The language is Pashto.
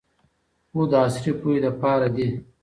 خو د عصري پوهې د پاره دې